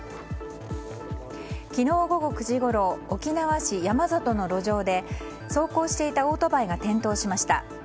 昨日午後９時ごろ沖縄市山里の路上で走行していたオートバイが転倒しました。